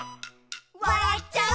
「わらっちゃう」